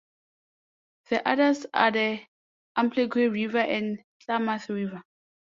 The others are the Umpqua River and Klamath River.